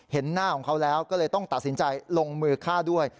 เห็นหน้าของเขาแล้วก็เลยต้องตัดสินใจลงมือฆ่าด้วย